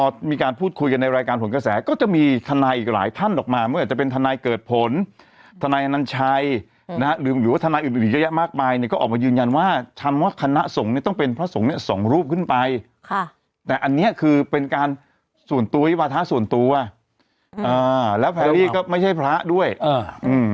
ทนาอยู่อีกหญิงก็เยอะมากไปก็ออกมายืนยันว่าทำว่าคณสงศ์ต้องเปรียบเพราะสงศ์เนี่ยส่องรูปขึ้นไปแต่อันนี้เป็นการส่วนตัวเป็นวัทธาส่วนตัวแล้วแพลรี่ก็ไม่ใช่พระด้วยอืม